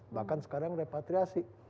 bahkan sekarang repatriasi